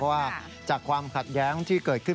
ว่าจากความขัดแย้งที่เกิดขึ้น